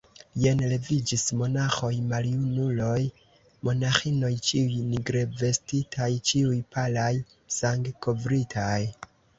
Jen leviĝis monaĥoj, maljunuloj, monaĥinoj, ĉiuj nigrevestitaj, ĉiuj palaj, sangkovritaj.